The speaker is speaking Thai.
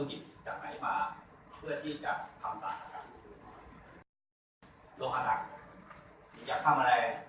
อย่าทำอะไรแบบนี้